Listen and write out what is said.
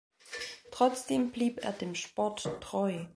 Trotzdem blieb er dem Sport treu.